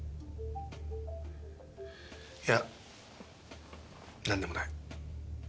いや何でもない。